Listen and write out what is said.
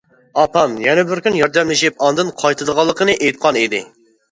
ئاپام يەنە بىر كۈن ياردەملىشىپ ئاندىن قايتىدىغانلىقىنى ئېيتقان ئىدى.